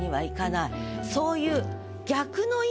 そういう。